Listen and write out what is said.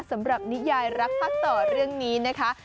สำหรับนิยายรักภาคต่อเรื่องนี้นะคะ